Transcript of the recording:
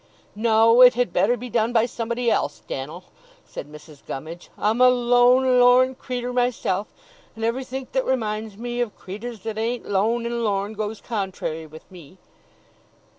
'No. It had better be done by somebody else, Dan'l,' said Mrs. Gummidge. 'I'm a lone lorn creetur' myself, and everythink that reminds me of creetur's that ain't lone and lorn, goes contrary with me.